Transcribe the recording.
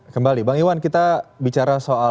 kembali bang iwan kita bicara soal